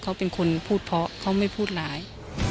เขาเป็นคนพูดเพราะเขาไม่พูดร้าย